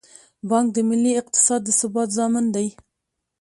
بانک د ملي اقتصاد د ثبات ضامن دی.